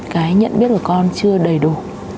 cái nhận biết của con chưa đầy đủ